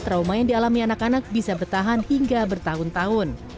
trauma yang dialami anak anak bisa bertahan hingga bertahun tahun